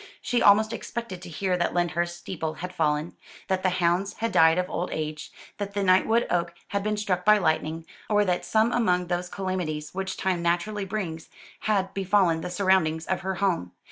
She almost expected to hear that Lyndhurst steeple had fallen; that the hounds had died of old age; that the Knightwood Oak had been struck by lightning; or that some among those calamities which time naturally brings had befallen the surroundings of her home.